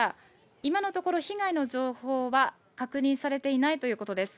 今のところ被害の情報は確認されていないということです。